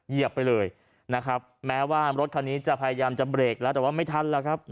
เหยียบไปเลยนะครับแม้ว่ารถคันนี้จะพยายามจะเบรกแล้วแต่ว่าไม่ทันแล้วครับ